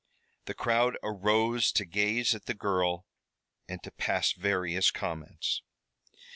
The crowd arose to gaze at the girl and to pass various comments.